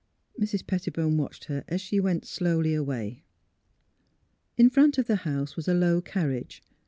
" Mrs. Pettibone watched her as she went slowly away. In front of the house was a low carriage.